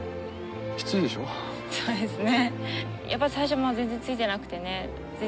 そうですね。